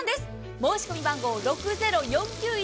申し込み番号６０４９１